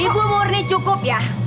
ibu murni cukup ya